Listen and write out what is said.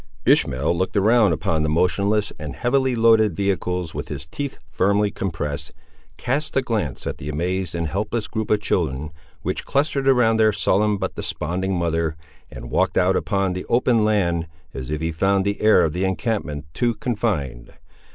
Ishmael looked round upon the motionless and heavily loaded vehicles with his teeth firmly compressed, cast a glance at the amazed and helpless group of children, which clustered around their sullen but desponding mother, and walked out upon the open land, as if he found the air of the encampment too confined.